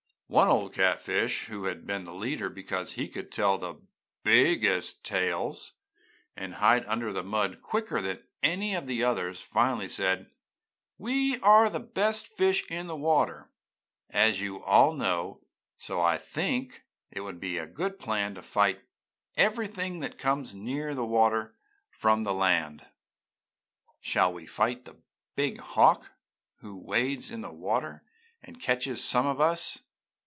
"One old catfish who had been the leader because he could tell the biggest tales and hide under the mud quicker than any of the others finally said: 'We are the best fish in the water, as you all know, so I think it will be a good plan to fight everything that comes near the water from the land!' "'Shall we fight the big hawk who wades in the water and catches some of us?'